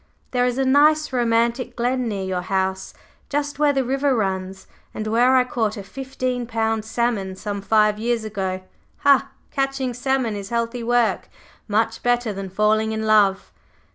There is a nice romantic glen near your house just where the river runs, and where I caught a fifteen pound salmon some five years ago. Ha! Catching salmon is healthy work; much better than falling in love.